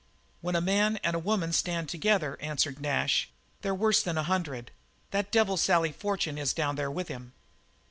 "When a man and a woman stand together," answered Nash, "they're worse than a hundred. That devil, Sally Fortune, is down there with him."